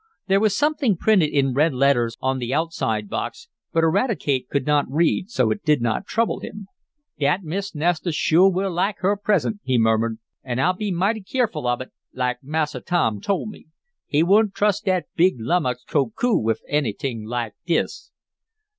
There was something printed in red letters on the outside box, but Eradicate could not read, so it did not trouble him. "Dat Miss Nestor shore will laik her present," he murmured. "An' I'll be mighty keerful ob it' laik Massa Tom tole me. He wouldn't trust dat big lummox Koku wif anyt'ing laik dis."